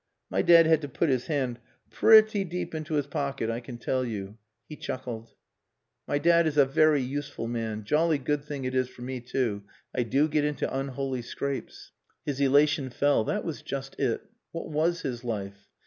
My dad had to put his hand pretty deep into his pocket, I can tell you." He chuckled. "My dad is a very useful man. Jolly good thing it is for me, too. I do get into unholy scrapes." His elation fell. That was just it. What was his life?